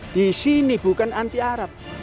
di sini bukan anti arab